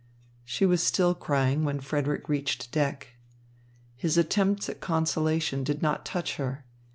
She was still crying when Frederick reached deck. His attempts at consolation did not touch her.